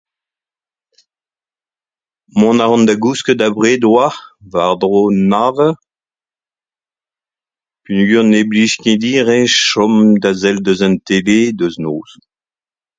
Mont a ran da gousket abred a-walc'h, war-dro nav eur, peogwir ne blij ket din re sell deus an tele deus noz.